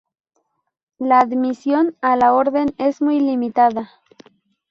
La admisión a la orden es muy limitada.